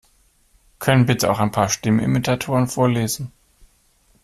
Können bitte auch ein paar Stimmenimitatoren vorlesen?